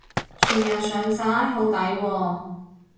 全日上晒？好抵喎